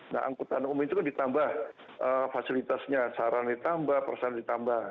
nah angkutan umum itu kan ditambah fasilitasnya saran ditambah perusahaan ditambah